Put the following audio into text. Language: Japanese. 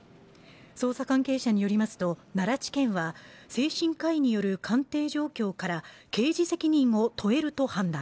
捜査関係者によりますと奈良地検は精神科医による鑑定状況から刑事責任を問えると判断